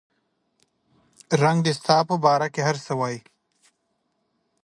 رنګ دې ستا په باره کې هر څه وایي